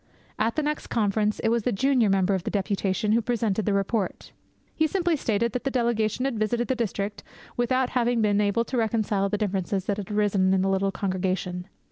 At the next Conference it was the junior member of the deputation who presented the report. He simply stated that the delegation had visited the district without having been able to reconcile the differences that had arisen in the little congregation.